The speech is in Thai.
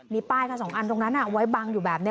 มีป้ายค่ะ๒อันตรงนั้นไว้บังอยู่แบบนี้